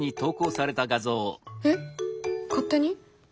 えっ勝手に？